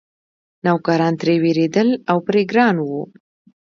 نوکران ترې وېرېدل او پرې ګران وو.